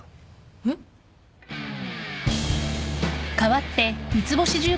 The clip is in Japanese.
えっ？